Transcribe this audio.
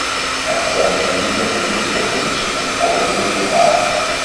En vertel ons nu niet dat dit ingewikkeld is, want de projecten liggen klaar.